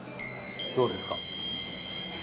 どうですか？